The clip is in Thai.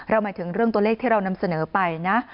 หมายถึงเรื่องตัวเลขที่เรานำเสนอไปนะ